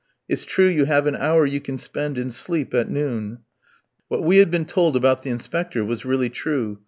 It's true you have an hour you can spend in sleep at noon. What we had been told about the Inspector was really true.